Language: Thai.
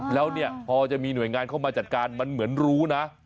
แล้วเนี่ยพอจะมีหน่วยงานเข้ามาจัดการมันเหมือนรู้นะ